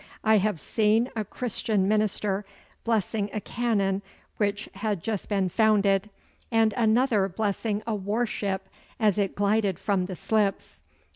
I have seen a Christian minister blessing a cannon which had just been founded, and another blessing a war ship as it glided from the slips.